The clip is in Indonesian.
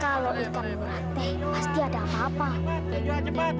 kalau ikan murah teh pasti ada apa apa